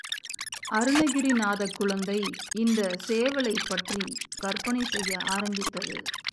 அருணகிரிநாதக் குழந்தை இந்த சேவலைப் பற்றிக் கற்பனை செய்ய ஆரம்பித்தது.